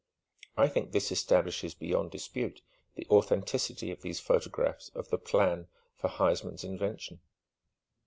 I think this establishes beyond dispute the authenticity of these photographs of the plan for Huysman's invention."